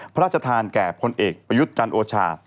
พระราชทานแก่พลเอกประยุทธ์จันทร์โอชา